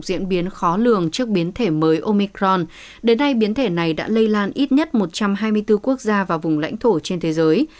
diễn biến khó lường trước biến thể mới omicron đến nay biến thể này đã lây lan ít nhất một trăm hai mươi bốn quốc gia và vùng lãnh thổ trên thế giới